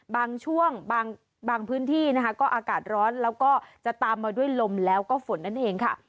บางช่วงบางพื้นที่นะคะก็อากาศร้อนแล้วก็จะตามมาด้วยลมแล้วก็ฝนนั่นเองค่ะ